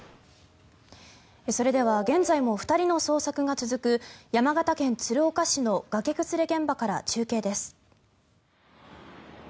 それでは現在も２人の捜索が続く山形県鶴岡市の崖崩れ現場から中継です。